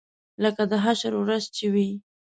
لکه د حشر ورځ چې وي.